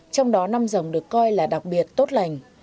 trong đó năm rồng được coi là đặc biệt tốt lành